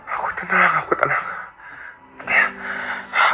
aku tenang aku tenang